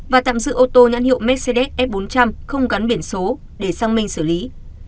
và tạm giữ ô tô nhãn hiệu mercedes f bốn trăm linh không gắn biển số để sang minh xử lý